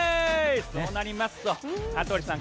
そうなりますと羽鳥さん